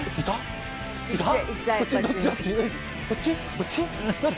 こっち？